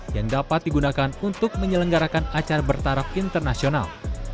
yang dapat digunakan untuk menyelenggarakan acara bertaraf internasional